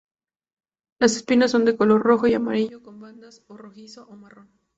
Las espinas son de color rojo y amarillo con bandas o rojizo o marrón.